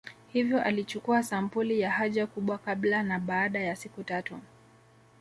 Hivyo alichukua sampuli ya haja kubwa kabla na baada ya siku tatu